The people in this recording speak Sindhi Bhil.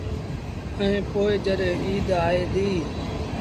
ائيٚݩ پو جڏهيݩ ايٚد آئي ديٚ۔